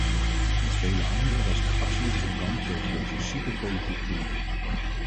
Met vele anderen was ik absoluut gekant tegen deze superpolitieke benoeming.